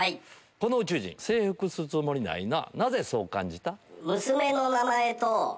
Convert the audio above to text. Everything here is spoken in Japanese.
この宇宙人征服するつもりないななぜそう感じた？